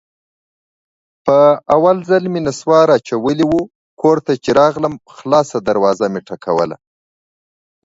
په اول ځل مې نصوار اچولي وو، کور ته چې راغلم خلاصه دروازه مې ټکوله.